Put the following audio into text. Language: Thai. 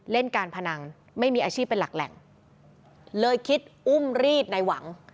เล่นการพนันไม่มีอาชีพเป็นหลักแหล่งเลยคิดอุ้มรีดในหวัง